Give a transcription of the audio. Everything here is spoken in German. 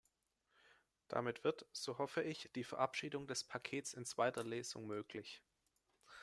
Damit wird, so hoffe ich, die Verabschiedung des Pakets in zweiter Lesung möglich.